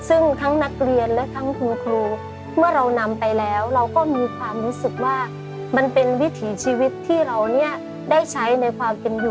ซึ่งทั้งนักเรียนและทั้งคุณครูเมื่อเรานำไปแล้วเราก็มีความรู้สึกว่ามันเป็นวิถีชีวิตที่เราเนี่ยได้ใช้ในความเป็นอยู่